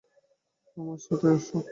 আমার সাথে আসো।